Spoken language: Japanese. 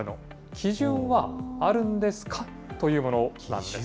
基準はあるんですかというものなんです。